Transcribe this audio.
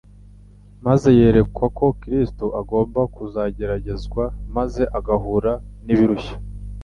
maze yerekwa ko Kristo agomba kuzageragezwa maze agahura n'ibirushya